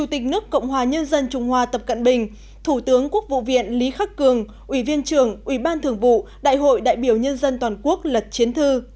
thủ tướng quốc vụ viện lý khắc cường ủy viên trưởng ủy ban thường vụ đại hội đại biểu nhân dân toàn quốc lật chiến thư